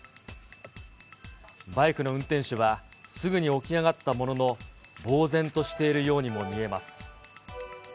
バイクの運転手はすぐに起き上がったものの、ぼう然としているようにも見えます。